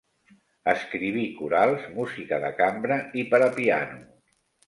Escriví corals, música de cambra i per a piano.